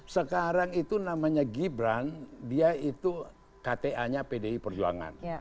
sekarang itu namanya gibran dia itu kta nya pdi perjuangan